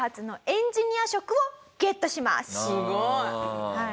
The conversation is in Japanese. すごい。